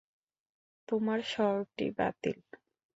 তোমার সর্টি বাতিল।